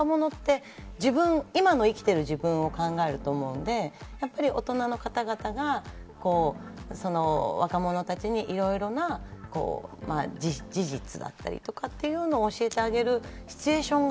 やっぱり若者って今の生きている自分を考えると思うので、やっぱり大人の方々が若者たちにいろいろな事実だったりとかいうのを教えてあげるシチュエーションが